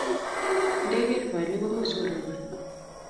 nde ker polik ko much korobon